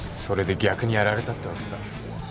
それで逆にやられたってわけか。